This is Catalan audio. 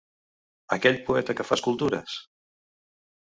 Aquell poeta que fa escultures?